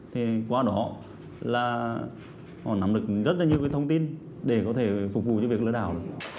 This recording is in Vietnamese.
thì qua đó là họ nắm được rất là nhiều cái thông tin để có thể phục vụ cho việc lừa đảo